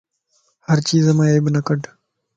ھر چيز مان عيب نه ڪڍ